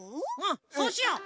そうしよう。